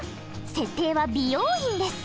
設定は美容院です。